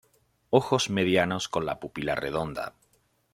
Ojos medianos con la pupila redonda.